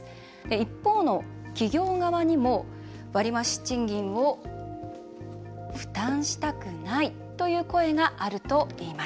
一方の企業側にも割増賃金を負担したくないという声があるといいます。